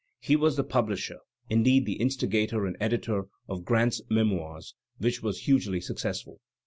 He was the publisher — indeed, the instigator and editor — of Grant's "Memoirs," which was hugely successful.